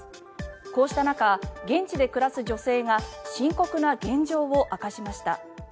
こうした中、現地で暮らす女性が深刻な現状を明かしました。